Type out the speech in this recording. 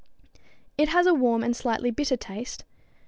It has a warm, and slightly bitter taste.